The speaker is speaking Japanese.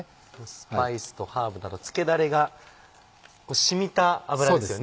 スパイスとハーブとあと漬けだれが染みた油ですね。